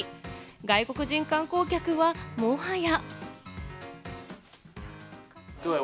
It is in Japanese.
外国人観光客は、もはや。